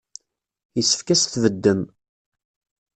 Yessefk ad as-tbeddem.